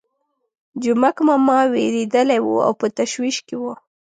جومک ماما وېرېدلی وو او په تشویش کې وو.